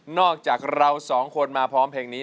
อกจากเราสองคนมาพร้อมเพลงนี้